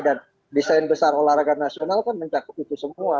dan desain besar olahraga nasional kan mencakup itu semua